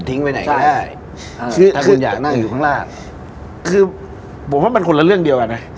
ไหนก็ได้อ่าคือถ้าคุณอยากนั่งอยู่ข้างล่างคือผมว่ามันคนละเรื่องเดียวกันนะ